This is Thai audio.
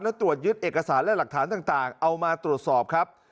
และตรวจยึดเอกสารและหลักฐานต่างเอามาตรวจสอบครับ